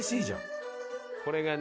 これがね。